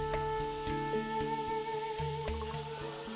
kepala tongkang tionghoa